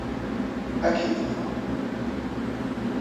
Ad k-yeḍfer.